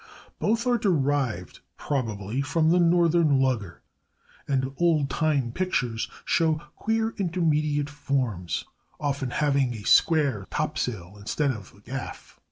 Both are derived, probably, from the northern lugger, and old time pictures show queer intermediate forms, often having a square topsail instead of a gaff.